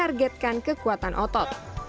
dan menargetkan kekuatan otot